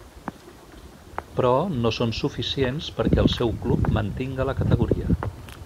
Però, no són suficients perquè el seu club mantinga la categoria.